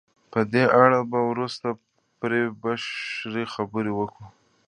په دې اړه به وروسته پرې بشپړې خبرې وکړو.